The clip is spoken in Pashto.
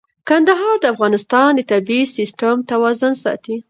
کندهار د افغانستان د طبعي سیسټم توازن ساتي.